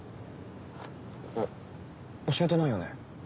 お教えてないよね？